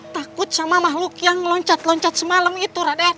takut sama makhluk yang loncat loncat semalam itu